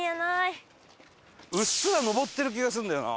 うっすら上ってる気がするんだよな。